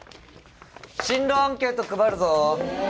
進路アンケート配るぞ・ええ